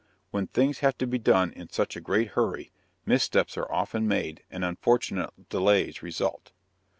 When things have to be done in such a great hurry, missteps are often made and unfortunate delays result.